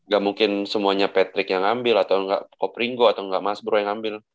gak mungkin semuanya patrick yang ambil atau nggak kopringgo atau nggak mas bro yang ambil